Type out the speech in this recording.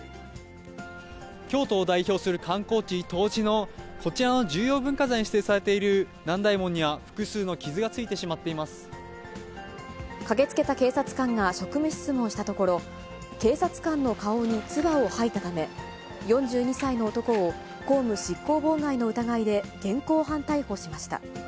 京都を代表する観光地、東寺のこちらの重要文化財に指定されている南大門には、複数の傷駆けつけた警察官が職務質問をしたところ、警察官の顔に唾を吐いたため、４２歳の男を公務執行妨害の疑いで現行犯逮捕しました。